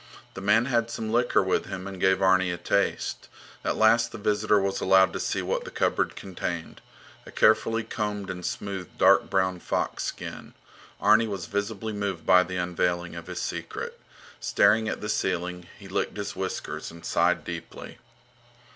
The man had some liquor with him and gave Arni a taste. At last the visitor was allowed to see what the cupboard contained a carefully combed and smoothed dark brown fox skin. Arni was visibly moved by the unveiling of his secret. Staring at the ceiling, he licked his whiskers and sighed deeply.